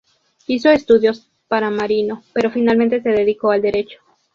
Hizo estudios para marino, pero finalmente se dedicó al derecho.